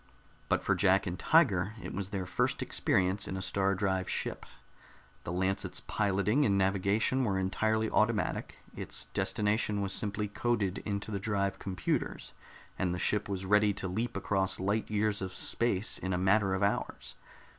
But for Jack and Tiger, it was their first experience in a star drive ship. The Lancet's piloting and navigation were entirely automatic; its destination was simply coded into the drive computers, and the ship was ready to leap across light years of space in a matter of hours.